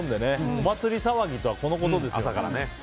お祭り騒ぎとはこのことですね。